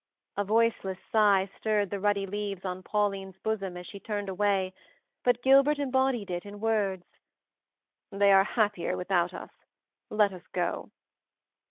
A voiceless sigh stirred the ruddy leaves on Pauline's bosom as she turned away, but Gilbert embodied it in words, "They are happier without us. Let us go."